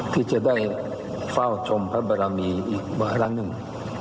ที่จะได้เฝ้าชมพระบรมีอีกครั้งหนึ่ง